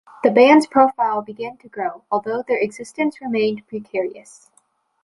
The band's profile began to grow, although their existence remained precarious.